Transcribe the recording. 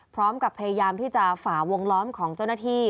พร้อมกับพยายามที่จะฝ่าวงล้อมของเจ้าหน้าที่